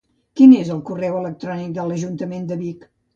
Quin és el correu electrònic de l'Ajuntament de Vic?